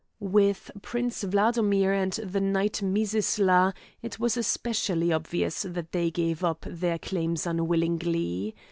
With Prince Wladomir and the knight Mizisla it was especially obvious that they gave up their claims unwillingly.